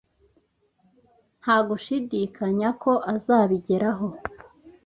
Nta gushidikanya ko azabigeraho.